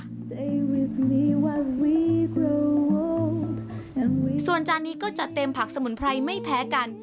ส่วนจานนี้ก็จะเต็มผักสมุนไพรไม่แพ้กัน